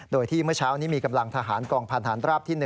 โดยที่เมื่อเช้านี้มีกำลังทหารกองพันธานราบที่๑